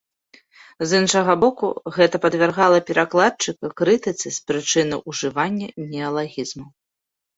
З іншага боку, гэта падвяргала перакладчыка крытыцы з прычыны ўжывання неалагізмаў.